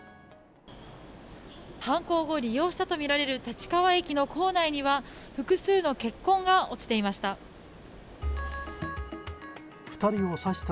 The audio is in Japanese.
犯行後利用したとみられる立川駅の構内には複数の血痕が落ちていました。